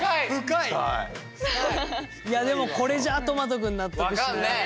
いやでもこれじゃとまと君納得しない。